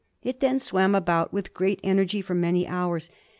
It then swam about with great energy for many hours.